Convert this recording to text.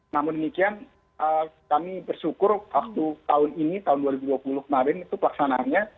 namun demikian kami bersyukur waktu tahun ini tahun dua ribu dua puluh kemarin itu pelaksanaannya